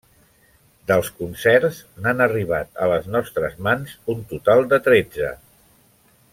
Dels concerts, n’han arribat a les nostres mans un total de tretze.